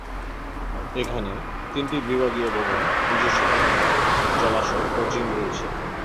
এখানে তিনটি বিভাগীয় ভবন, নিজস্ব খেলার মাঠ, জলাশয় ও জিম রয়েছে।